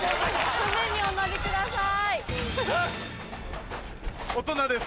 船にお乗りください。